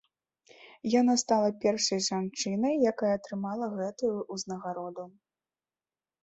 Яна стала першай жанчынай, якая атрымала гэтую ўзнагароду.